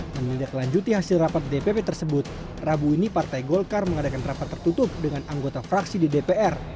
menindaklanjuti hasil rapat dpp tersebut rabu ini partai golkar mengadakan rapat tertutup dengan anggota fraksi di dpr